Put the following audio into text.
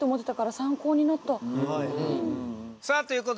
さあということで。